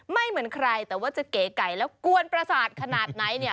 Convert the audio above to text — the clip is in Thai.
เหมือนใครแต่ว่าจะเก๋ไก่แล้วกวนประสาทขนาดไหนเนี่ย